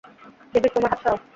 David, তোমার হাত সরাও!